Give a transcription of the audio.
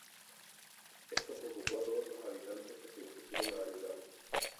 Esto preocupó a todos los habitantes, que se dispusieron a ayudarlo.